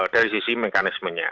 dari sisi mekanismenya